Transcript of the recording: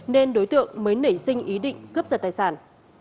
nên đối tượng mới nảy sinh ý định cướp giật tài sản